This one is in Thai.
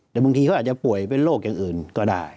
แต่บางทีเขาอาจจะป่วยเป็นโรคอย่างอื่นก็ได้